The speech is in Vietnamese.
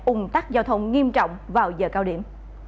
ủng tắc giao thông nghiêm trọng vào giờ cao điểm